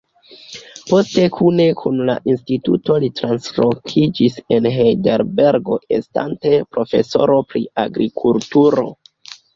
Poste kune kun la instituto li translokiĝis el Hejdelbergo estante profesoro pri agrikulturo.